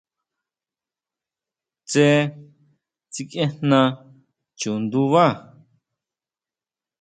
Tsé tsikʼiejna chundubá.